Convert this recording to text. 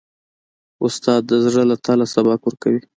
استاد د زړه له تله سبق ورکوي.